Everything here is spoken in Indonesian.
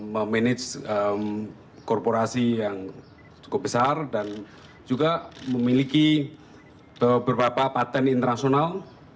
memanage korporasi yang cukup besar dan juga memiliki beberapa patent internasional